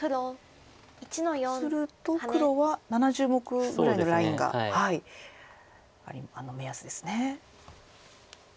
すると黒は７０目ぐらいのラインが目安ですね。